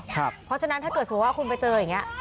เพราะฉะนั้นถ้าเกิดสมมุติว่าคุณไปเจออย่างนี้